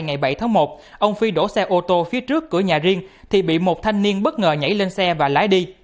ngày bảy tháng một ông phi đổ xe ô tô phía trước cửa nhà riêng thì bị một thanh niên bất ngờ nhảy lên xe và lái đi